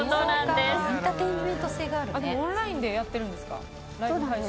でもオンラインでやっているんですか。